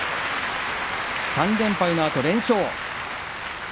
３連敗のあと連勝です。